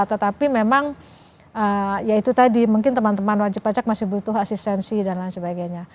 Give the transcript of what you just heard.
tetapi memang ya itu tadi mungkin teman teman wajib pajak masih butuh asistensi dan lain sebagainya